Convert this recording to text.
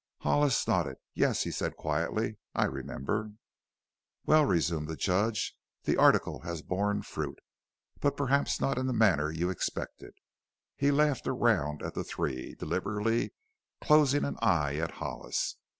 Hollis nodded. "Yes," he said quietly; "I remember." "Well," resumed the Judge, "the article has borne fruit. But perhaps not in the manner you expected." He laughed around at the three, deliberately closing an eye at Hollis.